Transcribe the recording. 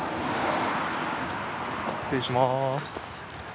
失礼します。